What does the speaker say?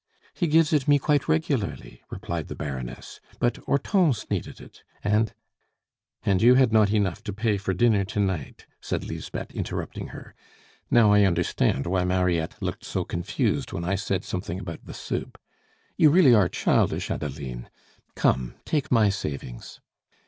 "He gives it me quite regularly," replied the Baroness, "but Hortense needed it, and " "And you had not enough to pay for dinner to night," said Lisbeth, interrupting her. "Now I understand why Mariette looked so confused when I said something about the soup. You really are childish, Adeline; come, take my savings."